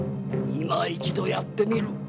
今一度やってみる。